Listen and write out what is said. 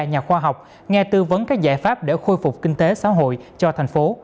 nhà khoa học nghe tư vấn các giải pháp để khôi phục kinh tế xã hội cho thành phố